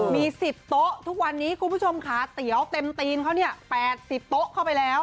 มี๑๐โต๊ะทุกวันนี้คุณผู้ชมขาเตี๋ยวเต็มตีนเขาเนี่ย๘๐โต๊ะเข้าไปแล้ว